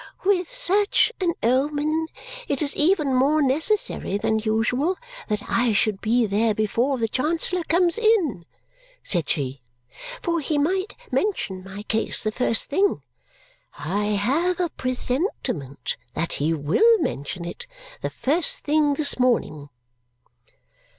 "With such an omen, it is even more necessary than usual that I should be there before the Chancellor comes in," said she, "for he might mention my case the first thing. I have a presentiment that he WILL mention it the first thing this morning."